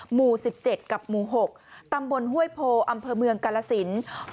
หมู่๑๗กับหมู่๖ตำบลห้วยโพอำเภอเมืองกาลสิน